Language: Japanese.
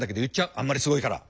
あんまりすごいから！